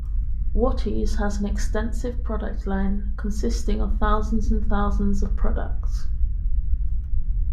Wattie's has an extensive product line consisting of thousands and thousands of products.